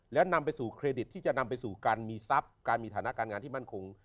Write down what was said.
แล้วนำไปสู่เครดิตที่จะนำไปสู่การมีทรัพย์การมีฐานะการงานที่มั่นคง